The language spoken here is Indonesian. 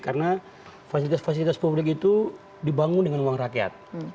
karena fasilitas fasilitas publik itu dibangun dengan uang rakyat